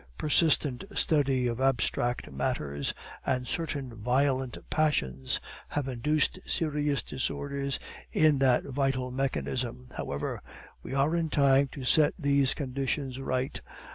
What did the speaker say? Persistent study of abstract matters, and certain violent passions, have induced serious disorders in that vital mechanism. However, we are in time to set these conditions right.